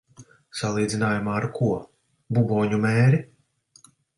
Salīdzinājumā ar ko? Buboņu mēri?